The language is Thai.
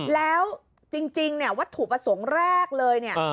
แล้วจริงวัตถุประสงค์แรกเลย